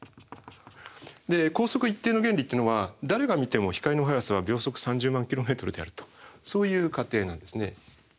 光速一定の原理っていうのは誰が見ても光の速さは秒速３０万ｋｍであるとそういう仮定なんですね。